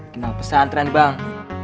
kena pesantren bang